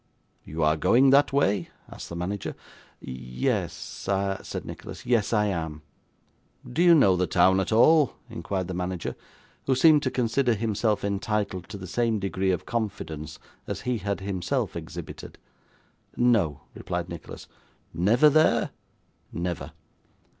'You are going that way?' asked the manager. 'Ye yes,' said Nicholas. 'Yes, I am.' 'Do you know the town at all?' inquired the manager, who seemed to consider himself entitled to the same degree of confidence as he had himself exhibited. 'No,' replied Nicholas. 'Never there?' 'Never.